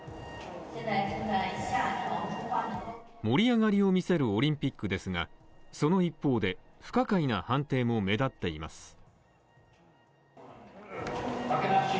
盛り上がりを見せるオリンピックですが、その一方で、不可解な判定も目立っています。